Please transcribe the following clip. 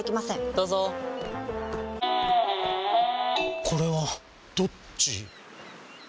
どうぞこれはどっち？